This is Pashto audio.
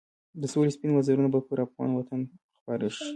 د سولې سپین وزرونه به پر افغان وطن خپاره شي.